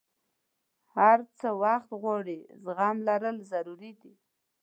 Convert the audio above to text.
هر څه وخت غواړي، زغم لرل ضروري دي.